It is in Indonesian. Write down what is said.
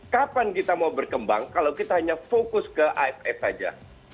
kapan kita mau berkembang kalau kita hanya fokus ke aff saja